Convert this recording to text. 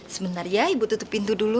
sebentar ya ibu tutup pintu dulu